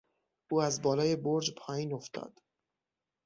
او از بالای برج پایین افتاد.